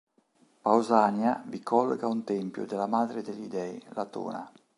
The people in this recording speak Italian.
Pausania vi colloca un tempio della madre degli dei, Latona.